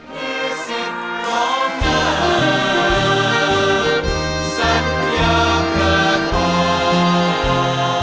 วิสิทธิ์ของเจ้าสัตยาเกษา